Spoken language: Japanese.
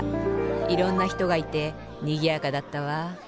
いろんなひとがいてにぎやかだったわ。